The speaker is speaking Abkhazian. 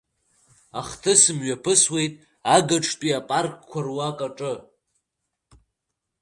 Ахҭыс мҩаԥысуеит агаҿтәи апаркқәа руакаҿы.